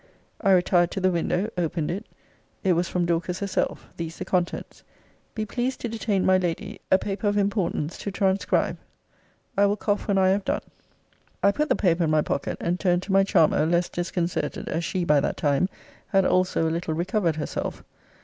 I retired to the window opened it it was from Dorcas herself. These the contents 'Be pleased to detain my lady: a paper of importance to transcribe. I will cough when I have done.' I put the paper in my pocket, and turned to my charmer, less disconcerted, as she, by that time, had also a little recovered herself.